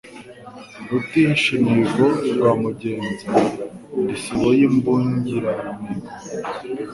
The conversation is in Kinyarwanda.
Rutihisha imihigo rwa Mugenza, ndi sibo y'imbungiramihigo